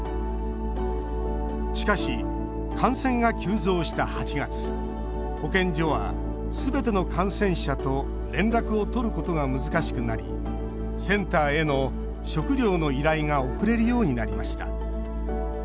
しかし、感染が急増した８月保健所は、すべての感染者と連絡を取ることが難しくなりセンターへの食料の依頼が遅れるようになりました。